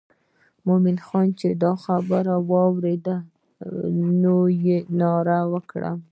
مومن خان چې دا خبره واورېده نو یې ناره وکړه.